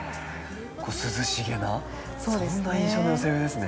涼しげなそんな印象の寄せ植えですね。